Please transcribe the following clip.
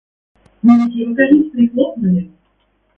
Но ведь его кажись прихлопнули?